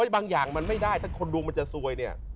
บางอย่างมันไม่ได้ถ้าคนดวงมันจะซวยเนี่ย